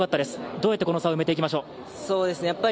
どうやってこの差を埋めていきましょう。